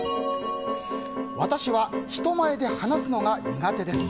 私は人前で話すのが苦手です。